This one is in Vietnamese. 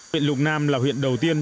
huyện lục nam là huyện đầu tiên